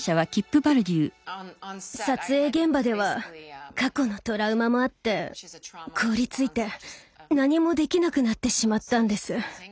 撮影現場では過去のトラウマもあって凍りついて何もできなくなってしまったんです。